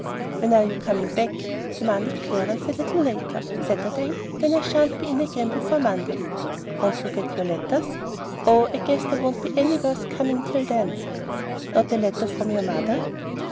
"When are you coming back?" demanded Clarence, a little later. "Saturday? Then I sha'n't be in again before Monday." "Won't you want your letters?" "Oh, I guess there won't be any worth coming for till then." "Not a letter from your mother?"